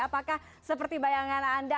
apakah seperti bayangan anda